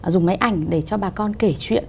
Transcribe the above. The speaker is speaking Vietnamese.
dùng máy ảnh để cho bà con kể chuyện